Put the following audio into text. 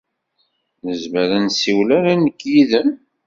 Nezmer ad nessiwel ala nekk yid-m?